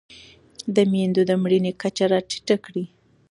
د مېندو د مړینې کچه راټیټه کړئ.